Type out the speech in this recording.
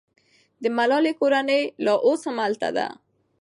د ملالۍ کورنۍ لا اوس هم هلته ده.